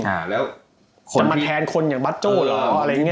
จะมาแทนคนอย่างบัชโจ่หรืออะไรอย่างนี้